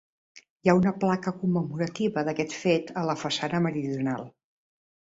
Hi ha una placa commemorativa d'aquest fet a la façana meridional.